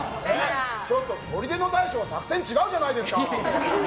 ちょっと砦の大将作戦違うじゃないですか。